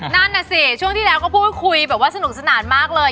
นั่นน่ะสิช่วงที่แล้วก็พูดคุยแบบว่าสนุกสนานมากเลย